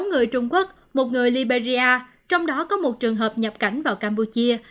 sáu người trung quốc một người liberia trong đó có một trường hợp nhập cảnh vào campuchia